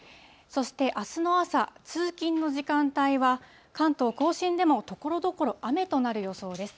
そしてあすの朝、通勤の時間帯は、関東甲信でもところどころ、雨となる予想です。